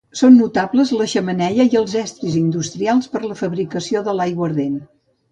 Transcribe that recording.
Són notables la xemeneia i els estris industrials per a la fabricació de l'aiguardent.